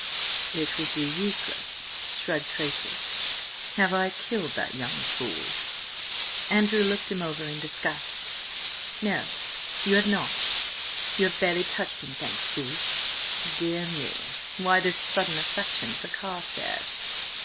"It would be useless," shrugged Tracy. "Have I killed that young fool?" Andrew looked him over in disgust. "No, you have not. You have barely touched him, thanks be." "Dear me! Why this sudden affection for Carstares?"